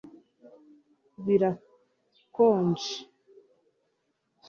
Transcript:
Birakonje